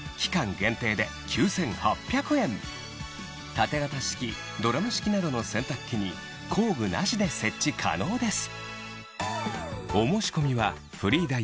縦型式ドラム式などの洗濯機に工具なしで設置可能です